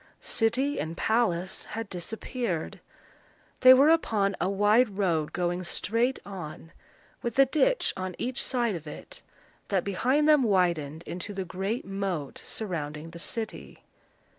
City and palace had disappeared. They were upon a wide road going straight on, with a ditch on each side of it, that behind them widened into the great moat surrounding the city.